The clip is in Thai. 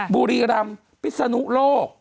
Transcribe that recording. บุรีรำพิศนุโลก